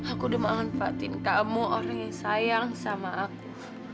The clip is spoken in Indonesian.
aku udah mengenpatin kamu orang yang sayang sama aku